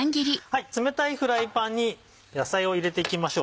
冷たいフライパンに野菜を入れていきましょう。